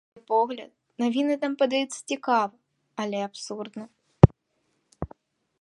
На яе погляд, навіны там падаюцца цікава, але абсурдна.